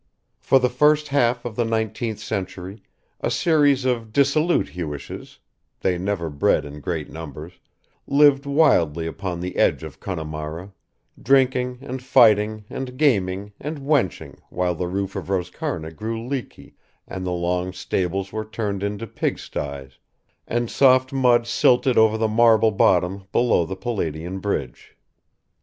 For the first half of the nineteenth century a series of dissolute Hewishes they never bred in great numbers lived wildly upon the edge of Connemara, drinking and fighting and gaming and wenching while the roof of Roscarna grew leaky and the long stables were turned into pigsties, and soft mud silted over the marble bottom below the Palladian bridge.